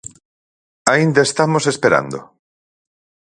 Aínda estamos esperando.